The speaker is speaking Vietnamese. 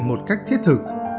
một cách thiết thực